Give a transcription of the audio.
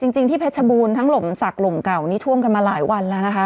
จริงที่เพชรบูรณ์ทั้งหล่มศักดิ์ห่มเก่านี้ท่วมกันมาหลายวันแล้วนะคะ